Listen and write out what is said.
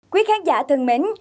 quý khán giả thân mến